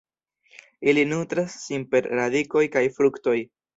Ili nutras sin per radikoj kaj fruktoj.